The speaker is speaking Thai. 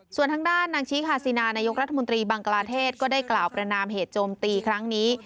ส่วนทางด้านนางชีฮาซีนานายกรัฐมนตรีบังกลาเทศก็ได้กล่าวประนามเหตุโจมตีครั้งนี้